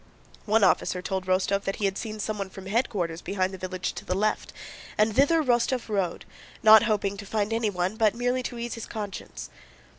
One officer told Rostóv that he had seen someone from headquarters behind the village to the left, and thither Rostóv rode, not hoping to find anyone but merely to ease his conscience.